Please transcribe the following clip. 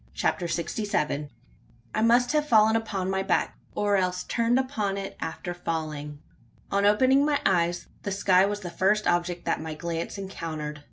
CHAPTER SIXTY SEVEN. PASSED BY THE PURSUIT. I must have fallen upon my back, or else turned upon it after falling. On opening my eyes, the sky was the first object that my glance encountered.